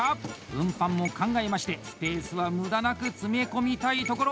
運搬も考えまして、スペースは無駄なく詰め込みたいところ。